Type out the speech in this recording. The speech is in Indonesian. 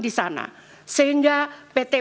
di sana sehingga pt